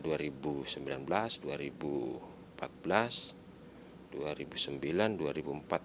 itu yang kita lihat